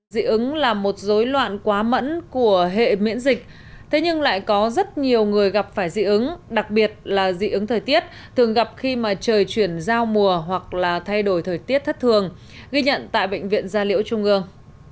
dị ứng là một dối loạn quá mẫn của hệ miễn dịch thế nhưng lại có rất nhiều người gặp phải dị ứng đặc biệt là dị ứng thời tiết thường gặp khi mà trời chuyển giao mùa hoặc là thay đổi thời tiết thất thường ghi nhận tại bệnh viện gia liễu trung ương